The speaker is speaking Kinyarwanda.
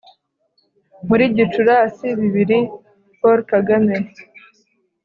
muri gicurasi bibiri paul kagame